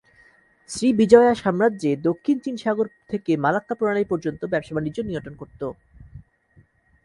শ্রী বিজয়া সাম্রাজ্যে দক্ষিণ চীন সাগর থেকে মালাক্কা প্রণালী পর্যন্ত ব্যবসা বাণিজ্য নিয়ন্ত্রণ করত।